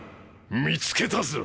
見つけたぞ。